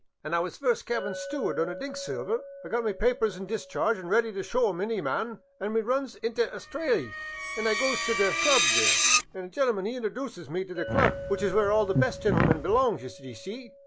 An' I was first cabin steward on the * Dinkskiver '— I 've my papers an' discharge, an' ready t' show 'em t' any man — an* we runs int' Australy, an' I goes tt' the Club there, an' a gentleman he introdjuces me t' the cluh, which is where all the best gentlemen belongs, d' ye see.